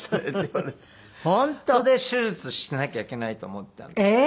それで手術しなきゃいけないと思ったんですけど。